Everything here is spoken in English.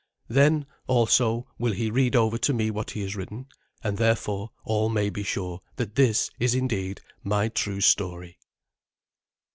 Then, also, will he read over to me what he has written, and therefore all may be sure that this is indeed my true story.